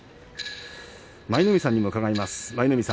舞の海さんにも伺います。